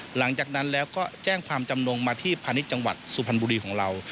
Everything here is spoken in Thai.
หลังจากนั้นแล้วก็แจ้งความจำนงมาที่พาณิชย์จังหวัดสุพรรณบุรีของเรา